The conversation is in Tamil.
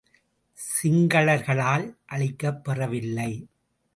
சிங்களர்களால் அழிக்கப் பெறவில்லை.